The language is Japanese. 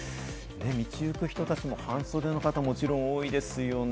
道行く人たちも半袖の方、もちろん多いですよね。